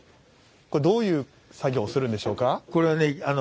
どういう作業をするんでしょうか。